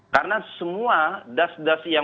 karena semua das das